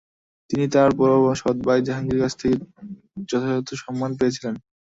তিনি তার বড় সৎ ভাই জাহাঙ্গীরের কাছ থেকেযথাযথ সম্মান পেয়েছিলেন।